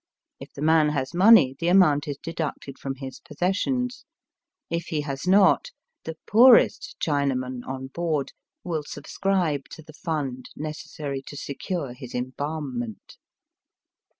If the man has money the amount is deducted from his possessions. If he has not, the poorest Chinaman on board will subscribe to the frind necessary to secure his embalmment.